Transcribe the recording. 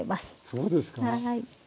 そうですか。